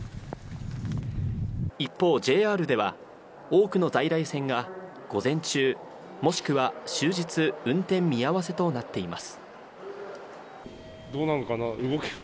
一方、ＪＲでは多くの在来線が午前中、もしくは終日運転見合わせとなっています。